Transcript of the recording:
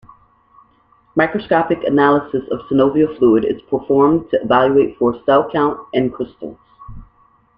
Microscopic analysis of synovial fluid is performed to evaluate for cell count and crystals.